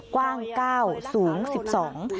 กว้าง๙สูง๑๒